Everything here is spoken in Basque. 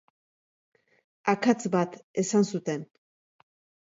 Akats bat, esan zuten.